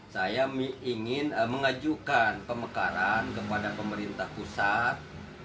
saya ingin mengajukan pemekaran kepada pemerintah pusat